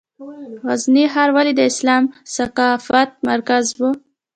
غزني ښار ولې د اسلامي ثقافت مرکز و؟